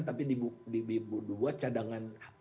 tapi dibuat cadangan